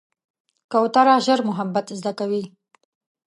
کوتره ژر محبت زده کوي.